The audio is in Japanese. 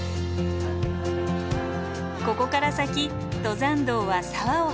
ここから先登山道は沢を離れ尾根へ。